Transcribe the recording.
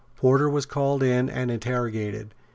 Porter was called in and interrogated.